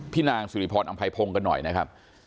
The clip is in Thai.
พี่นางสุริพรทร์อำไพพรงกันหน่อยนะครับ